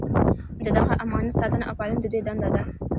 د دغه امانت ساتنه او پالنه د دوی دنده ده.